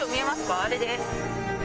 あれです。